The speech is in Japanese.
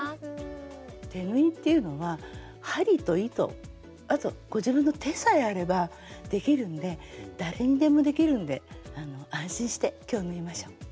手縫いっていうのは針と糸あとご自分の手さえあればできるんで誰にでもできるんで安心して今日縫いましょう。